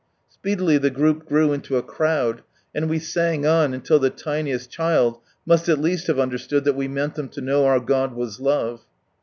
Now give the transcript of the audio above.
Speedily the group grew into a crowd, and we sang on until the tiniest child must at least have understood that we meant them lo know our God was Love.